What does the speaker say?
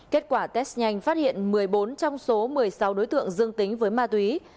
kết quả test nhanh phát hiện một mươi bốn trong số một mươi sáu đối tượng dương tính với ma túy